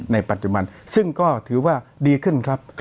ในปัจจุบันซึ่งก็ถือว่าดีขึ้นครับ